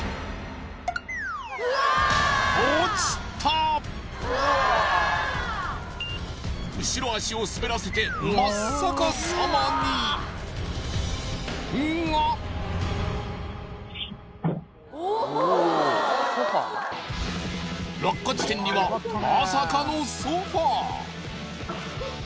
うわっあっ後ろ脚を滑らせて真っ逆さまに落下地点にはまさかのソファー